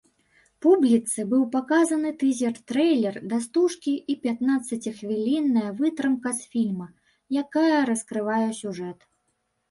Публіцы быў паказаны тызер-трэйлер да стужкі і пятнаццаціхвілінная вытрымка з фільма, якая раскрывае сюжэт.